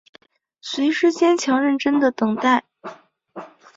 随时坚强认真的等待